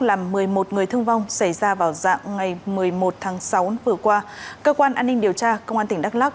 làm một mươi một người thương vong xảy ra vào dạng ngày một mươi một tháng sáu vừa qua cơ quan an ninh điều tra công an tỉnh đắk lóc